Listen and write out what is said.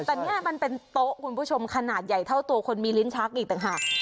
แต่นี่มันเป็นโต๊ะคุณผู้ชมขนาดใหญ่เท่าตัวคนมีลิ้นชักอีกต่างหาก